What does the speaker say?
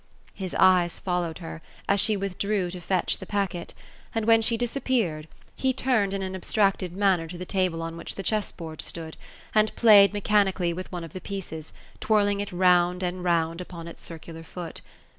His eyes followed her, as she withdrew to fetch the packet; and THE ROSE OP ELSINORE. 241 when she disappeared, he tarned, in an abstracted manner, to the table on which the chess board stood; and played mechanically with one of the pieces, twirling it round and round upon its circular foot.